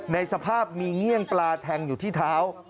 ในสภาพมีเงี่ยงปลาแทงอยู่ที่เท้า